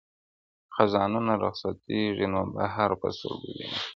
• خزانونه رخصتیږي نوبهار په سترګو وینم -